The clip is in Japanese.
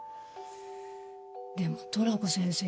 でもトラコ先生